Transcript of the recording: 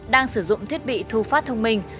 đang sử dụng thiết bị thu phát thông minh